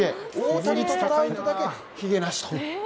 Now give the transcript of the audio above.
大谷とトラウトだけ、ひげなしと。